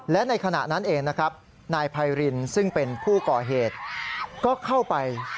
และในขณะนั้นเองนะครับนายไพรินซึ่งเป็นผู้ก่อเหตุก็เข้าไป